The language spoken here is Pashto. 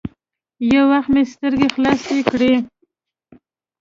يو وخت مې سترګې خلاصې کړې.